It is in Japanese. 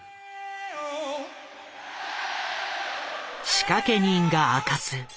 仕掛け人が明かす